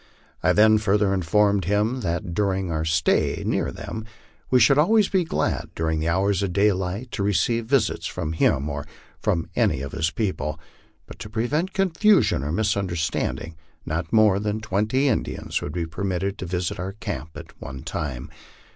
I then further informed him that during our stay near them we should always be glad, during the hours of daylight, to receive visits from him or from any of his people, but to prevent confusion or misunderstanding, not more than twenty Indians would be permitted to visit our camp at one time.